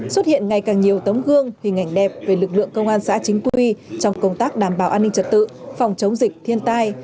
xuất hiện ngày càng nhiều tấm gương hình ảnh đẹp về lực lượng công an xã chính quy trong công tác đảm bảo an ninh trật tự phòng chống dịch thiên tai